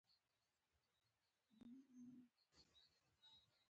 د غاښونو د برس کولو په واسطه معلومېږي.